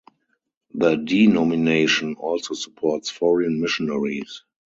The denomination also supports foreign missionaries.